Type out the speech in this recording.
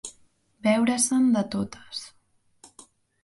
Veure-se'n de totes.